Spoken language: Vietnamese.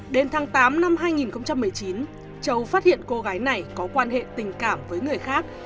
đến tháng tám năm hai nghìn một mươi chín châu phát hiện cô gái này có quan hệ tình cảm với người khác